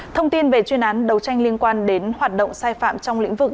thông tin về chuyên án đấu tranh liên quan đến hoạt động sai phạm trong lĩnh vực